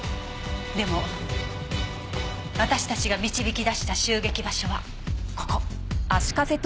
でも私たちが導き出した襲撃場所はここ。